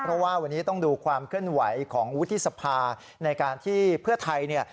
เพราะว่าวันนี้ต้องดูความเคลื่อนไหวของวุฒิสภาในการที่เพื่อไทยเนี่ย